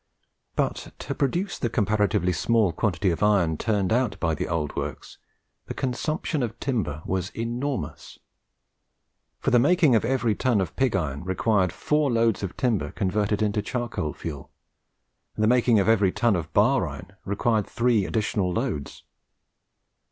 But to produce the comparatively small quantity of iron turned out by the old works, the consumption of timber was enormous; for the making of every ton of pig iron required four loads of timber converted into charcoal fuel, and the making of every ton of bar iron required three additional loads.